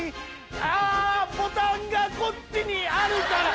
あボタンがこっちにあるから！